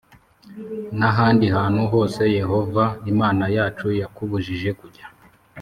n’ahandi hantu hose Yehova Imana yacu yakubujije kujya.